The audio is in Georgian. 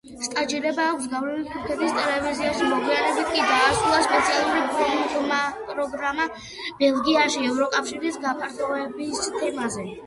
სტაჟირება აქვს გავლილი თურქეთის ტელევიზიაში, მოგვიანებით კი დაასრულა სპეციალური პროგრამა ბელგიაში, ევროკავშირის გაფართოების თემაზე.